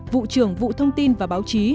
vụ trưởng vụ thông tin và báo chí